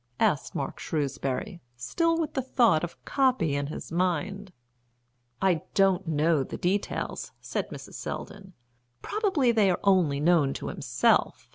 asked Mark Shrewsbury, still with the thought of "copy" in his mind. "I don't know the details," said Mrs. Selldon. "Probably they are only known to himself.